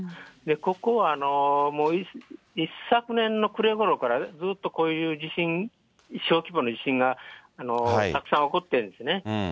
ここは一昨年の暮れごろから、ずっとこういう地震、小規模の地震がたくさん起こってるんですね。